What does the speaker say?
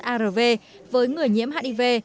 arv với người nhiễm hiv